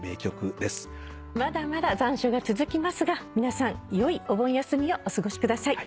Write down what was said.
まだまだ残暑が続きますが皆さんよいお盆休みをお過ごしください。